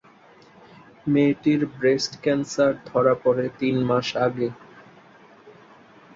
মেয়েটির breast cancer ধরা পরে তিন মাস আগে।